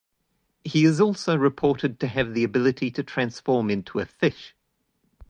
He is also reported to have the ability to transform into a fish.